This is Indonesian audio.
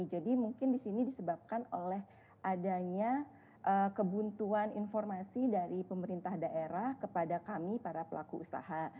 jadi mungkin di sini disebabkan oleh adanya kebuntuan informasi dari pemerintah daerah kepada kami para pelaku usaha